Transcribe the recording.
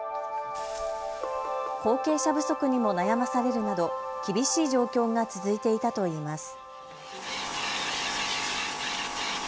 後継者不足にも悩まされるなど厳しい状況が続いていたといいます。